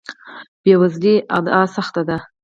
بې وزلۍ ادعا سخت ده.